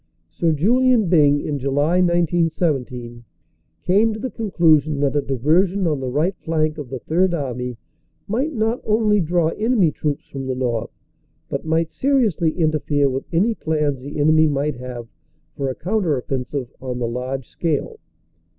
Sir Julian Byng, in July, 1917, came to the conclusion that a diversion on the right flank of the Third Army might not only draw enemy troops from the north but might seriously interfere with any plans the enemy might have for a counter offensive on the large scale.